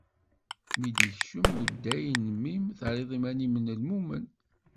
Mi d-ikcem uday n mmi-m, terriḍ iman-im d lmumen.